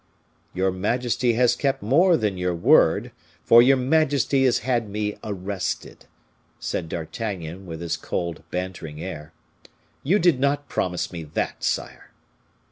"Your majesty has kept more than your word, for your majesty has had me arrested," said D'Artagnan, with his cold, bantering air; "you did not promise me that, sire."